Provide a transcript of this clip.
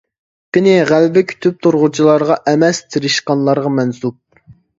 قېنى، غەلىبە كۈتۈپ تۇرغۇچىلارغا ئەمەس، تىرىشقانلارغا مەنسۇپ!